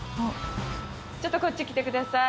ちょっとこっち来てください。